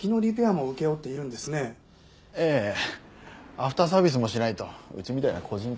アフターサービスもしないとうちみたいな個人店は厳しいんで。